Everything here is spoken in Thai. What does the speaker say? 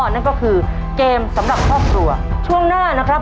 นั่นก็คือเกมสำหรับครอบครัวช่วงหน้านะครับ